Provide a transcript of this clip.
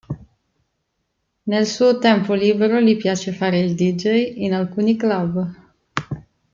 Nel suo tempo libero gli piace fare il deejay in alcuni club.